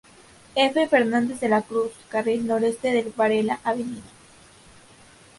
F. Fernández de la Cruz, carril noreste de Varela, Av.